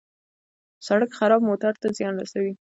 سړک خراب موټر ته زیان رسوي.